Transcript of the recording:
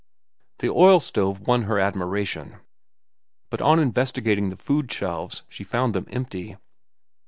The oil stove won her admiration, but on investigating the food shelves she found them empty.